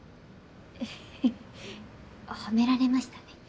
フフッ褒められましたね。